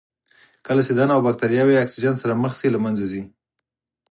کله چې دا نوعه بکټریاوې اکسیجن سره مخ شي له منځه ځي.